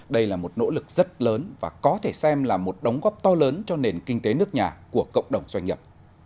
đây là một nỗ lực rất lớn và có thể xem là một đóng góp to lớn cho nền kinh tế nước nhà của cộng đồng doanh nghiệp